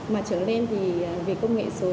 mà trở lên thì về công nghệ số